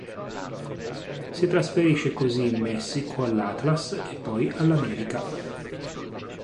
Si trasferisce così in Messico all'Atlas e poi all'América.